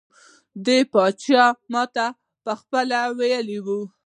د پاچا ماته پخپله ویلي وو.